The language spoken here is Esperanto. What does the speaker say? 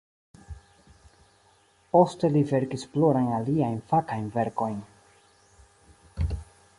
Poste li verkis plurajn aliajn fakajn verkojn.